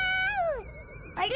あれ？